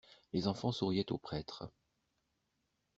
Les enfants souriaient au prêtre.